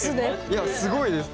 いやすごいです。